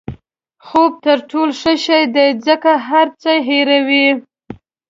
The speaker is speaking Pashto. خوب تر ټولو ښه شی دی ځکه هر څه هیروي.